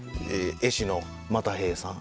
絵師の又平さん